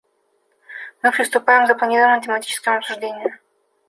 Мы приступаем к запланированному тематическому обсуждению.